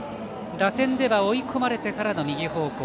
打線では追い込まれてからの右方向。